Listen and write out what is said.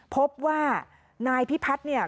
พบว่านายพิพัฒน์เนี่ย